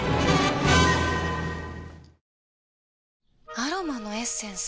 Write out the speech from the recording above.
アロマのエッセンス？